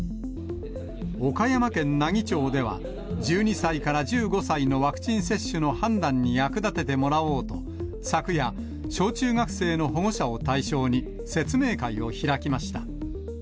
岡山県奈義町では、１２歳から１５歳のワクチン接種の判断に役立ててもらおうと、昨夜、小中学生の保護者を対象に、説明会を開きました。